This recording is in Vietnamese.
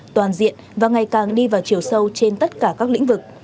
toàn diện và ngày càng đi vào chiều sâu trên tất cả các lĩnh vực